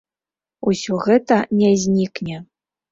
Усё гэта не знікне.